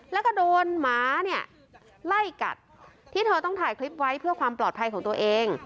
แล้วก็โดนหมาเนี่ยไล่กัดที่เธอต้องถ่ายคลิปไว้เพื่อความปลอดภัยของตัวเอง